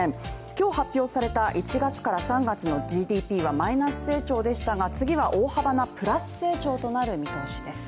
今日、発表された１月から３月のＧＤＰはマイナス成長でしたが次は大幅なプラス成長となる見通しです。